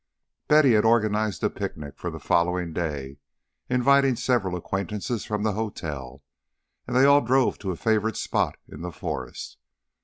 X Betty had organized a picnic for the following day, inviting several acquaintances from the hotel; and they all drove to a favourite spot in the forest.